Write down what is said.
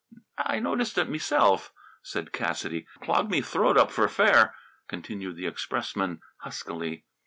"I noticed it meself," said Cassidy. "Clogged me throat up fur fair," continued the expressman huskily.